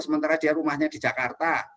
sementara dia rumahnya di jakarta